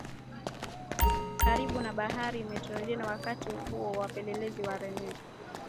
karibu na Bahari Mediteranea Wakati huohuo wapelelezi Wareno